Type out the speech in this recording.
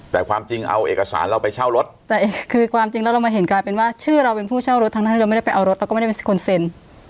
แต่ความจริงเอาเอกสารเราไปเช่ารถแต่คือความจริงแล้วเรามาเห็นกลายเป็นว่าชื่อเราเป็นผู้เช่ารถทั้งที่เราไม่ได้ไปเอารถเราก็ไม่ได้เป็นคนเซ็น